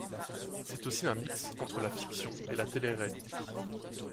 C'est aussi un mix entre la fiction et la télé-réalité.